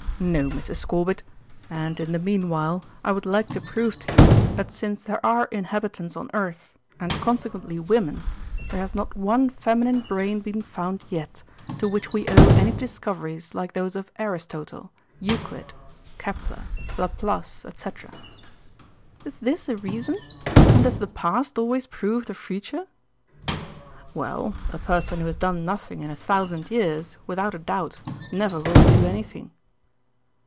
No, Mrs. Scorbitt, and in the meanwhile I would like to prove to you that since there are inhabitants on earth, and consequently women, there has not one feminine brain been found yet to which we owe any discoveries like those of Aristotle, Euclid, Kepler, Laplace, etc." "Is this a reason? And does the past always prove the future?" "Well, a person who has done nothing in a thousand years, without a doubt, never will do anything."